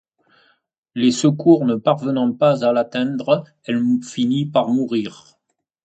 Les secours ne parvenant pas à l'atteindre, elle finit par mourir.